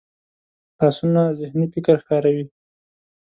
لاسونه ذهني فکر ښکاروي